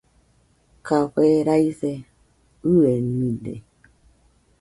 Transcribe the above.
Café raise ɨenide.